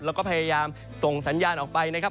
แล้วก็พยายามส่งสัญญาณออกไปนะครับ